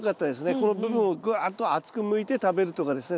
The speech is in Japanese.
この部分をぐわっと厚くむいて食べるとかですね